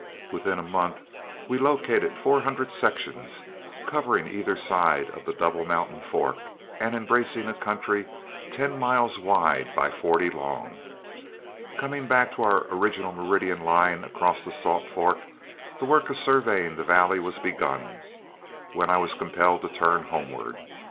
Within a month we located four hundred sections, covering either side of the Double Mountain Fork, and embracing a country ten miles wide by forty long. Coming back to our original meridian line across to the Salt Fork, the work of surveying that valley was begun, when I was compelled to turn homeward.